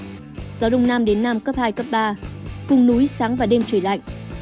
gió đông nam đến nam cấp hai ba cùng núi sáng và đêm trời lạnh